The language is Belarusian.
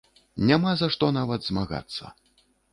Няма за што нават змагацца.